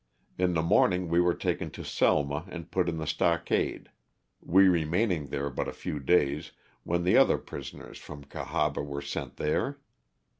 In the morning we were taken to Selma and put in the stockade, we remaining there but a few days, when the other prisoners from Cahaba were sent there.